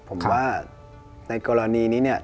ผมว่าในกรณีนี้เนี่ย